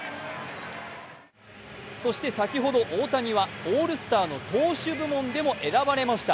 そして先ほど、大谷はオールスターの投手部門でも選ばれました。